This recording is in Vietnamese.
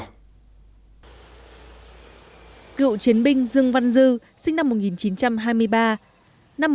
cựu chiến binh dương văn dư sinh năm một nghìn chín trăm hai mươi ba